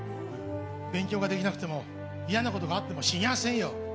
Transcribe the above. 勉強ができなくても嫌なことがあっても死にゃあせんよ。